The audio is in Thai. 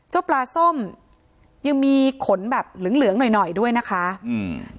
ปลาส้มยังมีขนแบบเหลืองเหลืองหน่อยหน่อยด้วยนะคะอืม